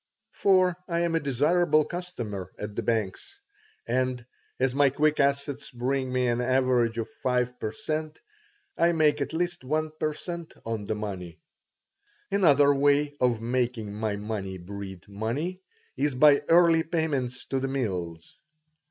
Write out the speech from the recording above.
for I am a desirable customer at the banks; and, as my quick assets bring me an average of five per cent., I make at least one per cent. on the money Another way of making my money breed money is by early payments to the mills.